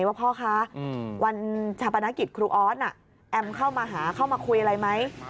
ว่าพ่อคะวันชาปนกิจครูออสแอมเข้ามาหาเข้ามาคุยอะไรไหม